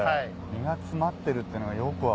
身が詰まってるってのがよく分かる。